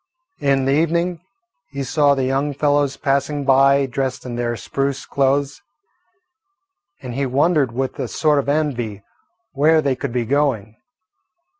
In the evening he saw the young fellows passing by dressed in their spruce clothes, and he wondered with a sort of envy where they could be going.